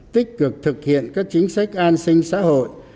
tích cực thực hiện các chính sách an sinh xã hội